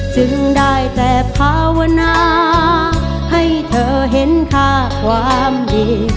จึงได้แต่ภาวนาให้เธอเห็นค่าความดี